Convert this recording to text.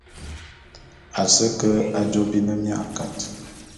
A se ke ajô bi ne mia kat.